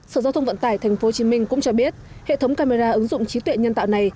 sở giao thông vận tải tp hcm cũng cho biết hệ thống camera ứng dụng trí tuệ nhân tạo này